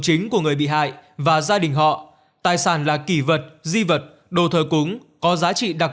chính của người bị hại và gia đình họ tài sản là kỷ vật di vật đồ thờ cúng có giá trị đặc